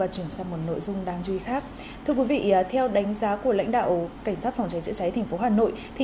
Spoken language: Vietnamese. thưa quý vị theo đánh giá của lãnh đạo cảnh sát phòng cháy chữa cháy tp hà nội